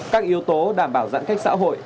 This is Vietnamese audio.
các yếu tố đảm bảo giãn cách xã hội